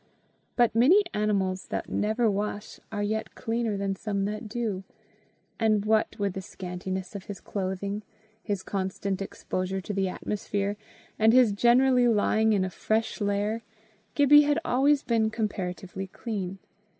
But many animals that never wash are yet cleaner than some that do; and, what with the scantiness of his clothing, his constant exposure to the atmosphere, and his generally lying in a fresh lair, Gibbie had always been comparatively clean.